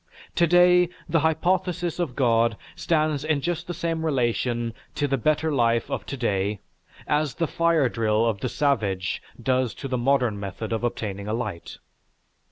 To day, the hypothesis of God stands in just the same relation to the better life of to day as the fire drill of the savage does to the modern method of obtaining a light.